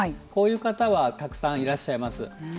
こういう方はたくさんいらっしゃいます。